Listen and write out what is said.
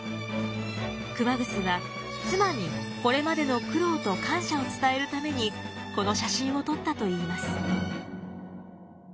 熊楠は妻にこれまでの苦労と感謝を伝えるためにこの写真を撮ったといいます。